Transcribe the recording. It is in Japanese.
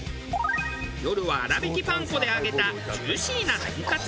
夜は粗びきパン粉で揚げたジューシーなとんかつ。